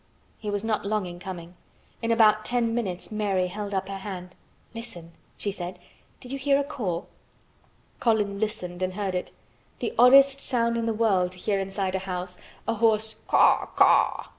He was not long in coming. In about ten minutes Mary held up her hand. "Listen!" she said. "Did you hear a caw?" Colin listened and heard it, the oddest sound in the world to hear inside a house, a hoarse "caw caw."